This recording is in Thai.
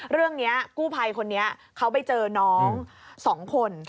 เรื่องนี้กู้ภัยคนนี้เขาไปเจอน้อง๒คน